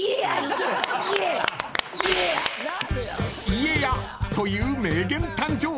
家やという名言誕生。